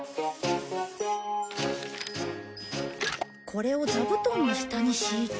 これを座布団の下に敷いて。